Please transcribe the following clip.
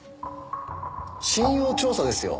信用調査ですよ。